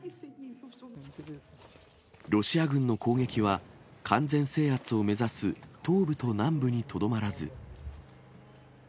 ロシア軍の攻撃は、完全制圧を目指す東部と南部にとどまらず。